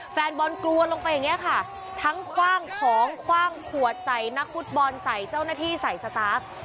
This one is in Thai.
แฟนบอลกลัวลงไปอย่างนี้ค่ะทั้งคว่างของคว่างขวดใส่นักฟุตบอลใส่เจ้าหน้าที่ใส่สตาร์ฟ